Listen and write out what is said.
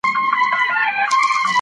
پوهاوی د تعليم له لارې زياتېږي.